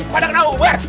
pak d kenal